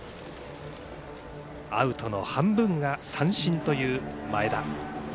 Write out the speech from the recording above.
アウトの半分が三振という前田。